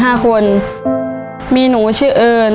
มีหนูชื่อเอิญและหนูชื่อเฮิลล์